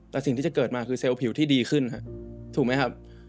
แต่สิ่งที่จะเกิดมาคือเซลล์ผิวที่ดีขึ้นถูกไหมครับ